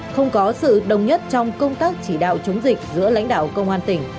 không có sự đồng nhất trong công tác chỉ đạo chống dịch giữa lãnh đạo công an tỉnh